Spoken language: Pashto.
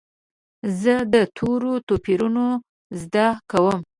زه د تورو توپیر زده کوم.